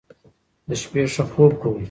د شپې ښه خوب کوئ.